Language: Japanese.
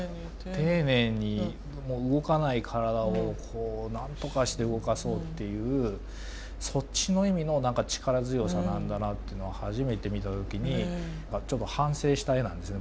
丁寧に動かない体をなんとかして動かそうっていうそっちの意味の力強さなんだなっていうのは初めて見た時にちょっと反省した絵なんですね。